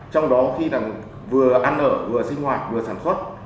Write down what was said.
trong đó khi là vừa ăn ở vừa sinh hoạt vừa sản xuất